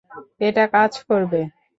এটা কাজ করবে।